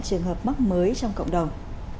trường hợp mắc mới trong cộng đồng